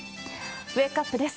ウェークアップです。